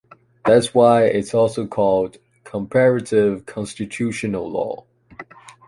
That’s why, it’s also called “comparative constitutional law”.